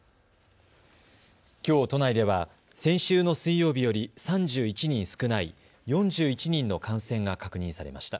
きょう都内では先週の水曜日より３１人少ない４１人の感染が確認されました。